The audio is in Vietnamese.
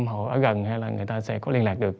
họ ở gần hay là người ta sẽ có liên lạc được